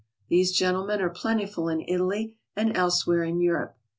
These gentlemen are plentiful in Italy, and elsewhere in Europe.